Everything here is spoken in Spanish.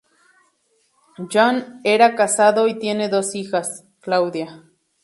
Joan está casado y tiene dos hijas; Claudia.